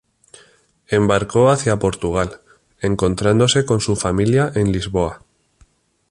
Embarcó hacia Portugal, encontrándose con su familia en Lisboa.